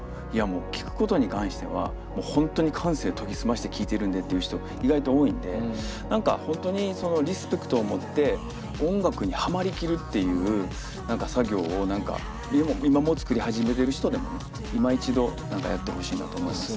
もう聴くことに関しては本当に感性研ぎ澄まして聴いてるんで」っていう人意外と多いんで何か本当にリスペクトを持って音楽にハマりきるっていう作業を今もう作り始めてる人でもいま一度やってほしいなと思いますね。